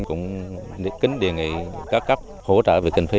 cũng kính đề nghị các cấp hỗ trợ về kinh phí